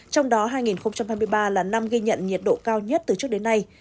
trong đó hai nghìn hai mươi ba là năm ghi nhận nhiệt độ cao nhất từ trước đến nay